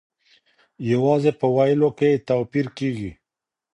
یوازې په ویلو کي یې توپیر کیږي.